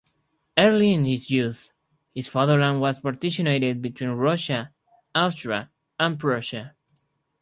Early in his youth his fatherland was partitioned between Russia, Austria and Prussia.